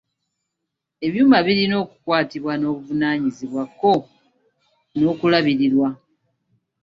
Ebyuma birina okukwatibwa n'obuvunaanyizibwa kko n'okulabirirwa.